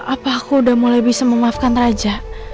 apa aku udah mulai bisa memaafkan raja